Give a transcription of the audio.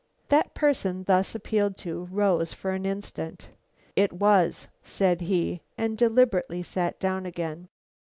That person thus appealed to, rose for an instant. "It was," said he, and deliberately sat down again.